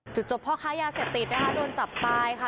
จุดจบพ่อค้ายาเสพติดโดนจับตายค่ะ